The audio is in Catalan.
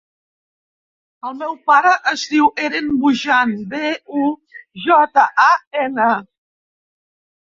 El meu pare es diu Eren Bujan: be, u, jota, a, ena.